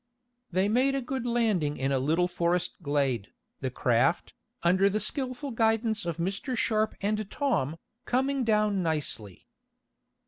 They made a good landing in a little forest glade, the craft, under the skillful guidance of Mr. Sharp and Tom, coming down nicely.